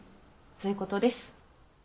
そういうことです。